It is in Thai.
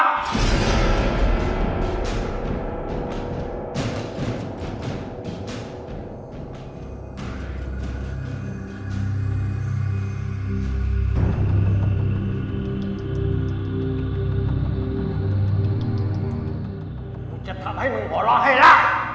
ดูจะกลับให้นึงกับเราให้นะ